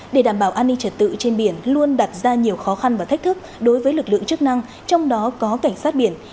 để đảm bảo an ninh trật tự trên biển luôn đặt ra nhiều khó khăn và thách thức đối với lực lượng chức năng trong đó có cảnh sát biển